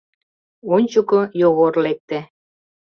Ончыко Йогор лекте: